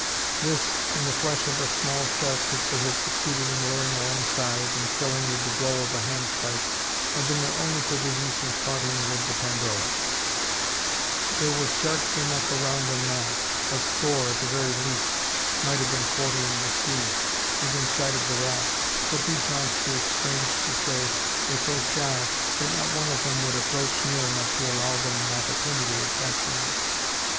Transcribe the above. This, and the flesh of a small shark, which they had succeeded in luring alongside, and killing with the blow of a handspike, had been their only provision since parting with the Pandora. There were sharks enough around them now. A score, at the very least, might have been quartering the sea, within sight of the raft; but these monsters, strange to say, were so shy, that not one of them would approach near enough to allow them an opportunity of capturing it!